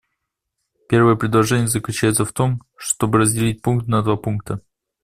Первое предложение заключается в том, чтобы разделить пункт на два пункта.